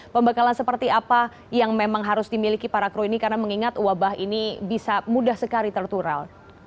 pembekalan seperti apa yang memang harus dimiliki para kru ini karena mengingat wabah ini bisa mudah sekali tertural